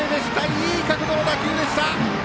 いい角度の打球でした。